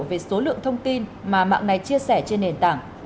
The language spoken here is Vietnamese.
về số lượng thông tin mà mạng này chia sẻ trên nền tảng